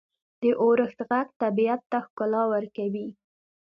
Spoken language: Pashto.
• د اورښت ږغ طبیعت ته ښکلا ورکوي.